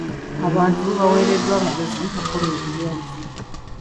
Abantu baweereddwa amagezi okukomya okulya enguzi.